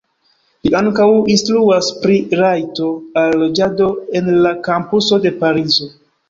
Li ankaŭ instruas pri rajto al loĝado en la kampuso de Parizo.